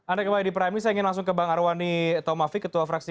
anda kembali di prime news saya ingin langsung ke bang arwani thomafi ketua fransisik